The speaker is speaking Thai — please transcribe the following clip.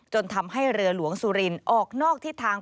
จนทำให้เรือหลวงสุรินออกนอกทิศทาง